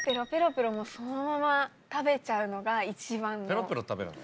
ペロペロ食べるの？